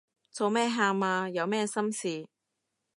做咩喊啊？有咩心事